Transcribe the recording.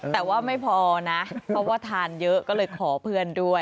แต่ว่าไม่พอนะเพราะว่าทานเยอะก็เลยขอเพื่อนด้วย